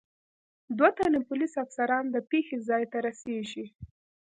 دو تنه پولیس افسران د پېښې ځای ته رسېږي.